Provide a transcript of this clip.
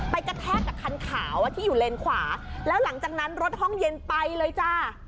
กระแทกกับคันขาวที่อยู่เลนขวาแล้วหลังจากนั้นรถห้องเย็นไปเลยจ้า